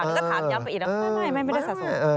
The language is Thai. แล้วก็ถามย้ำไปอีกแล้วไม่ไม่ได้สะสม